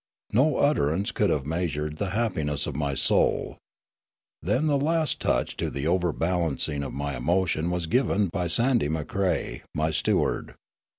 No utterance could have measured the happiness of my soul. Then the last touch to the overbalancing of my emotion was given by Sandy Macrae, my steward.